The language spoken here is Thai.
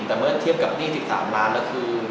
แต่เมื่อเทียบกับหนี้๑๓ล้านแล้วคือ